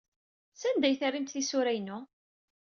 Sanda ay terramt tisura-inu?